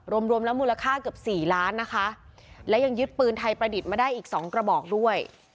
รวมรวมแล้วมูลค่าเกือบสี่ล้านนะคะและยังยึดปืนไทยประดิษฐ์มาได้อีกสองกระบอกด้วย